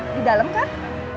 di dalam kan